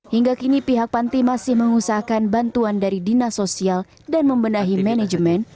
hingga kini pihak panti masih mengusahakan bantuan dari dinas sosial dan membenahi manajemen